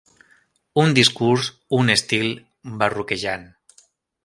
Un discurs, un estil, barroquejant.